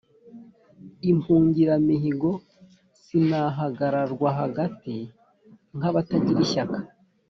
imbungiramihigo sinahagararwa hagati nk'abatagira ishyaka,